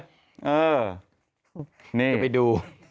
จะไปดู